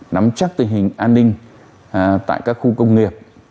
nắm chắc tình hình an ninh tại các khu công nghiệp